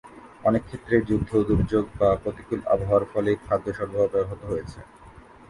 অনেক ক্ষেত্রে, যুদ্ধ, দুর্যোগ, বা প্রতিকূল আবহাওয়ার ফলে খাদ্য সরবরাহ ব্যাহত হয়েছে।